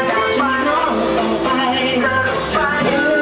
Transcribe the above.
ฉันจะรักคุณทุกคนมากครับผม